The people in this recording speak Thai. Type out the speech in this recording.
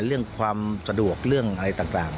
เรื่องความสะดวกเรื่องอะไรต่าง